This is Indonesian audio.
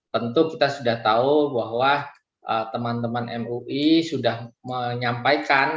tentu kita sudah tahu bahwa teman teman mui sudah menyampaikan